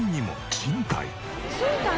賃貸？